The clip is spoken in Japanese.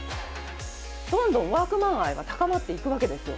どんどんワークマン愛が高まっていくわけですよ。